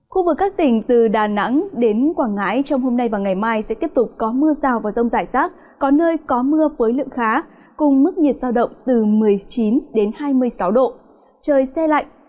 còn các tỉnh từ đà nẵng đến quảng ngãi trong hôm nay và ngày mai tiếp tục có mưa rào và rông rải rác có nơi có mưa với lượng khá cùng với mức nhiệt sao động từ một mươi chín đến hai mươi sáu độ trời xe lạnh